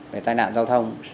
về tai nạn giao thông